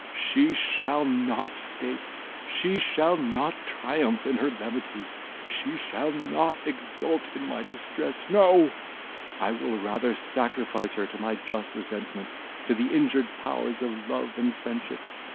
she shall not 'scape, she shall not triumph in her levity, she shall not exult in my distress; no! I will rather sacrifice her to my just resentment, to the injured powers of love and friendship.